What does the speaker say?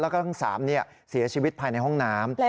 แล้วก็ทั้ง๓เสียชีวิตภายในห้องน้ำ